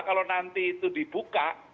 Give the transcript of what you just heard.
kalau nanti itu dibuka